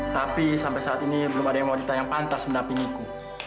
tapi sampai saat ini belum ada yang mau ditanyakan pantas menampingiku